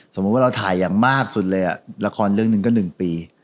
สมมุติว่าเราถ่ายอย่างมากสุดเลยละครเรื่องหนึ่งก็๑ปี